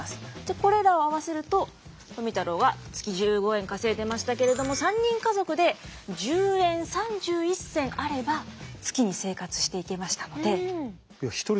これらを合わせると富太郎は月１５円稼いでましたけれども３人家族で１０円３１銭あれば月に生活していけましたので。